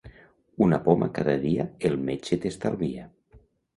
Una poma cada dia el metge t'estalvia.